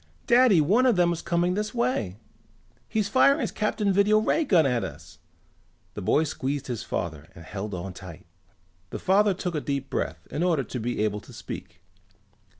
"Daddy, one of them is coming this way! He's firing his Captain Video ray gun at us!" They boy squeezed his father and held on tight. The father took a deep breath in order to be able to speak.